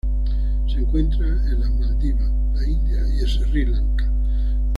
Se encuentran en las Maldivas, la India y Sri Lanka.